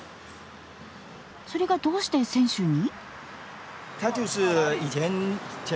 それがどうして泉州に？